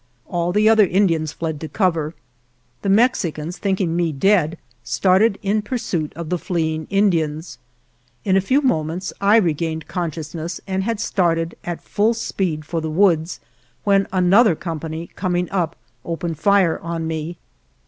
All the other Indians fled to cover. The Mexicans, think ing me dead, started in pursuit of the fleeing Indians. In a few moments I regained con sciousness and had started at full speed for the woods when another company coming up opened fire on me.